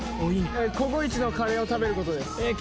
ココイチのカレーを食べることです